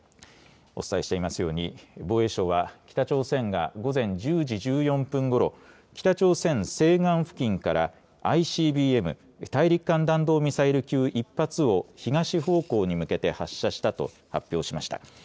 お伝えしていますように防衛省は北朝鮮が午前１０時１４分ごろ、北朝鮮西岸付近からＩＣＢＭ・大陸間弾道ミサイル級１発を東方向に向けて発射したと発表しました。